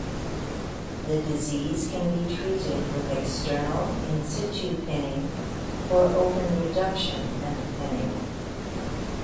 The disease can be treated with external in-situ pinning or open reduction and pinning.